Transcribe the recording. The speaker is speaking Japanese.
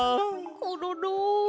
コロロ。